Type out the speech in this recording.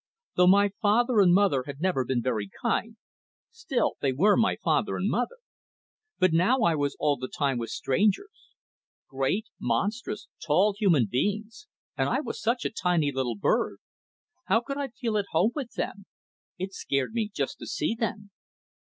Though my father and mother had never been kind, still they were my father and mother. But now I was all the time with strangers, great, monstrous, tall human beings, and I was such a tiny little bird! How could I feel at home with them? It scared me just to see them.